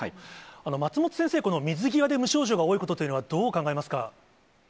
松本先生、この水際で無症状が多いことというのは、どう考えますか？